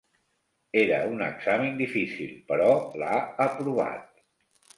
Era un examen difícil, però l'ha aprovat.